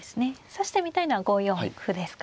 指してみたいのは５四歩ですか。